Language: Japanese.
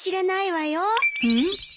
うん？